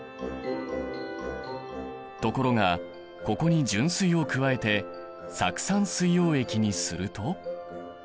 ところがここに純水を加えて酢酸水溶液にすると。